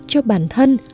cho bản thân